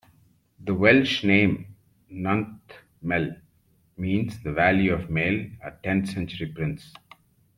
The Welsh name, Nantmel, means 'the valley of Mael', a tenth-century prince.